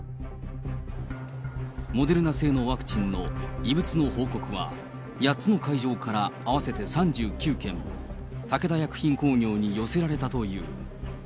モデルナ製のワクチンの異物の報告は、８つの会場から合わせて３９件、武田薬品工業に寄せられたという。